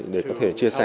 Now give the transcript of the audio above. để có thể chia sẻ